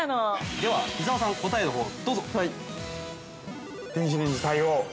◆では、伊沢さん、答えをどうぞ。